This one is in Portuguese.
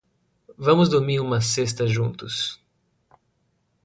Vamos dormir uma sesta juntos